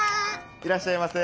いらっしゃいませ。